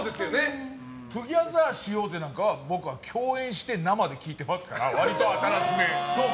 トゥギャザーしようぜなんかは僕は共演して生で聞いてますから割と新しめ。